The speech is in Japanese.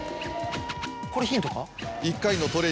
これヒントか？